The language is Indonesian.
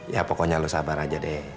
ya pokoknya lo sabar aja deh